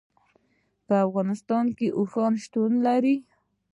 په افغانستان کې اوښ شتون لري.